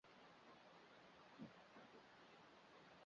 鼻头溪河口南侧不远处为淡水红树林保护区。